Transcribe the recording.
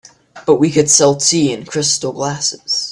But we could sell tea in crystal glasses.